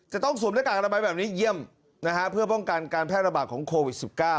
จะต้องสวมรายการระบายแบบนี้เยี่ยมนะฮะเพื่อป้องกันการแพร่ระบาดของโควิด๑๙